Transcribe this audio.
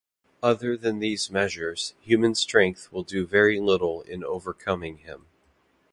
Other than these measures, human strength will do very little in overcoming him.